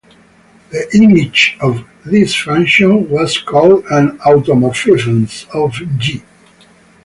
The image of this function was called an "automorphism" of "G".